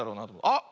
あっ！